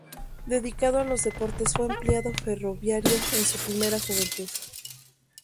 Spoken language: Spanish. Dedicado a los deportes, fue empleado ferroviario en su primera juventud.